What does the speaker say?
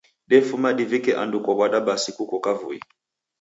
Defuma divike andu kow'ada basi kuko kavui.